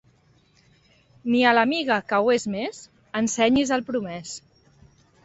Ni a l'amiga que ho és més, ensenyis el promès.